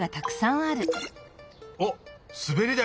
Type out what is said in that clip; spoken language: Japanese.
おっすべりだいだ。